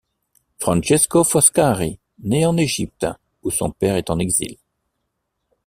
Francesco Foscari nait en Égypte où son père est en exil.